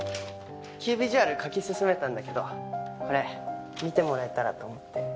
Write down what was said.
キービジュアル描き進めたんだけどこれ見てもらえたらと思って。